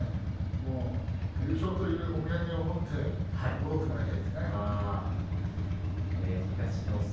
優勝というお土産を持って戻ってもらいたいですね。